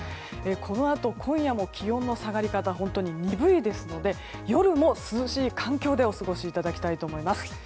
このあと今夜も気温の下がり方が本当に鈍いですので夜も涼しい環境でお過ごしいただきたいと思います。